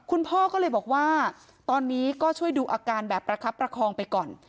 คุณพ่อก็เลยบอกว่าตอนนี้ก็ช่วยดูอาการแบบประคับประคองไปก่อน